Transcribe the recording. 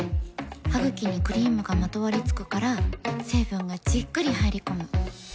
ハグキにクリームがまとわりつくから成分がじっくり入り込む。